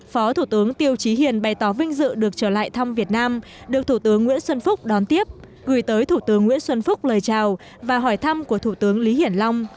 phó thủ tướng tiêu trí hiền bày tỏ vinh dự được trở lại thăm việt nam được thủ tướng nguyễn xuân phúc đón tiếp gửi tới thủ tướng nguyễn xuân phúc lời chào và hỏi thăm của thủ tướng lý hiển long